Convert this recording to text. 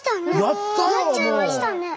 やっちゃいましたね。